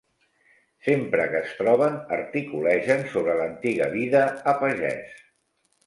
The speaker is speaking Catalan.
Sempre que es troben articulegen sobre l'antiga vida a pagès.